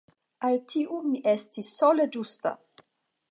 Al tiu mi estis la sole ĝusta!